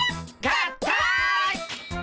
合体！